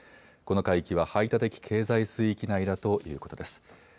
この海域は排他的経済水域内だということです。